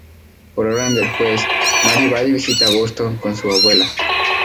Por orden del juez Mary va de visita a Boston con su abuela.